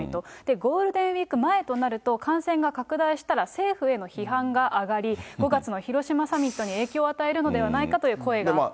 ゴールデンウィーク前となると、感染が拡大したら政府への批判が上がり、５月の広島サミットに影響を与えるのではないかという声があった。